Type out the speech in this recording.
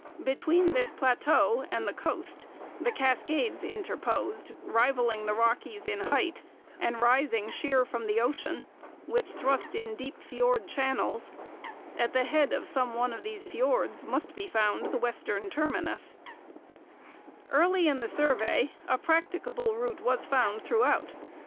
Between this plateau and the coast the Cascades interposed, rivalling the Rockies in height and rising sheer from the ocean, which thrust in deep fiord channels. At the head of some one of these fiords must be found the western terminus. [Illustration: Fleming Route and the Transcontinentals] Early in the survey a practicable route was found throughout.